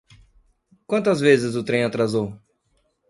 Quantas vezes o trem atrasou?